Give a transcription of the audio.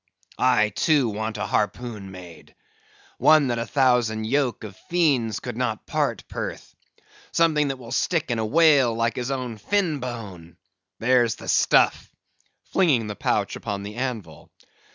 "I, too, want a harpoon made; one that a thousand yoke of fiends could not part, Perth; something that will stick in a whale like his own fin bone. There's the stuff," flinging the pouch upon the anvil.